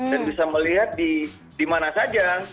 dan bisa melihat di mana saja